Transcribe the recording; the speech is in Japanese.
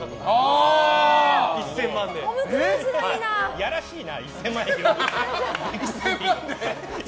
いやらしいな１０００万円って。